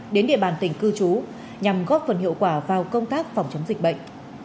đến địa bàn tỉnh cư trú nhằm góp phần hiệu quả vào công tác phòng chống dịch bệnh